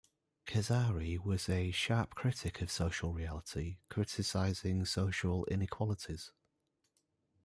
Kesari was a sharp critic of social reality, criticising social inequalities.